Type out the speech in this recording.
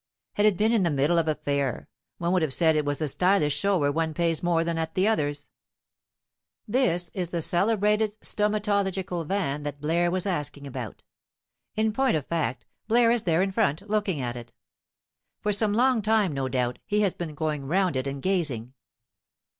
Had it been in the middle of a fair, one would have said it was the stylish show where one pays more than at the others. This is the celebrated "stomatological" van that Blaire was asking about. In point of fact, Blaire is there in front, looking at it. For some long time, no doubt, he has been going round it and gazing.